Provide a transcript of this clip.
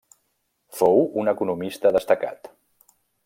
Fou un economista destacat.